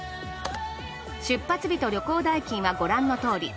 出発日と旅行代金はご覧の通り。